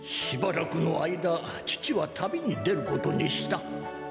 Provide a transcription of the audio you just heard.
「しばらくの間父は旅に出ることにした」。